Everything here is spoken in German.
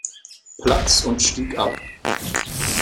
Platz und stieg ab.